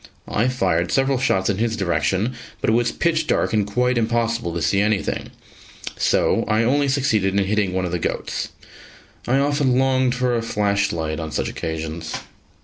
I fired several shots in his direction, but it was pitch dark and quite impossible to see anything, so I only succeeded in hitting one of the goats. I often longed for a flash light on such occasions.